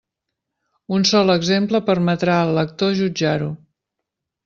Un sol exemple permetrà al lector jutjar-ho.